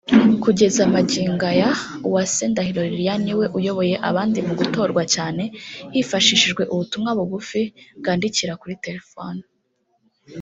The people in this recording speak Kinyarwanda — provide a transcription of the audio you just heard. Kugeza magingo aya Uwase Ndahiro Liliane niwe uyoboye abandi mu gutorwa cyane hifashishijwe ubutumwa bugufi bwandikira kuri Telefone